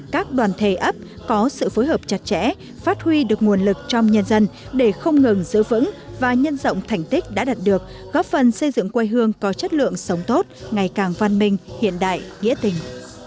các đoàn thể ấp có sự phối hợp chặt chẽ phát huy được nguồn lực trong nhân dân để không ngừng giữ vững và nhân rộng thành tích đã đạt được góp phần xây dựng quê hương có chất lượng sống tốt ngày càng văn minh hiện đại nghĩa tình